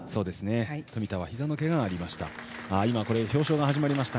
冨田はひざのけがありました。